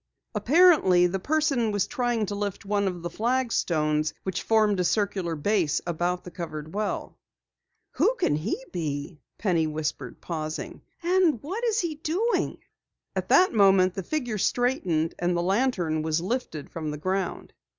Apparently the person was trying to lift one of the flagstones which formed a circular base about the covered well. "Who can he be?" Penny whispered, pausing. "And what is he doing?" At that moment the figure straightened, and the lantern was lifted from the ground.